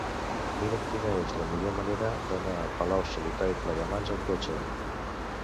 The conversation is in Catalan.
Mira'm quina és la millor manera d'anar a Palau-solità i Plegamans amb cotxe.